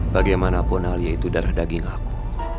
bagaimanapun alia itu darah daging aku